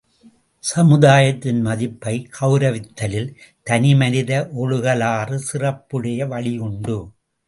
சமுதாயத்தின் மதிப்பைக் கெளரவித்தலில் தனிமனித ஒழுகலாறு சிறப்படைய வழி உண்டு.